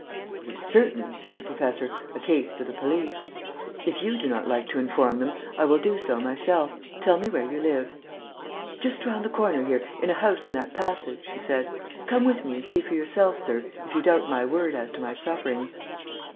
"It is certainly," said the Professor, "a case for the police. If you do not like to inform them, I will do so myself. Tell me where you live." "Just round the corner here, in a house in that passage," she said. "Come with me and see for yourself, sir, if you doubt my word as to my sufferings."